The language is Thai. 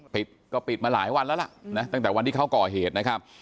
ปิดก็ปิดมาหลายวันแล้วล่ะนะตั้งแต่วันที่เขาก่อเหตุนะครับ